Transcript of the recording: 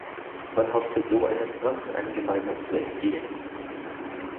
Man erhoffte so einer Zwangseingemeindung zu entgehen.